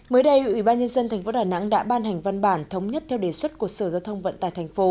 mới đây ủy ban nhân dân tp đà nẵng đã ban hành văn bản thống nhất theo đề xuất của sở giao thông vận tải thành phố